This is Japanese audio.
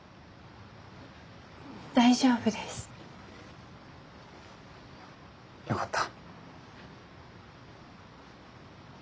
大丈夫です。よかった。